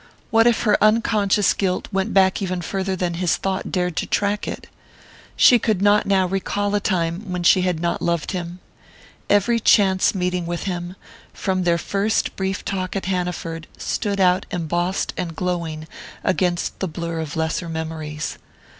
What if her unconscious guilt went back even farther than his thought dared to track it? She could not now recall a time when she had not loved him. Every chance meeting with him, from their first brief talk at Hanaford, stood out embossed and glowing against the blur of lesser memories.